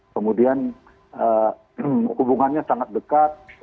kemudian hubungannya sangat dekat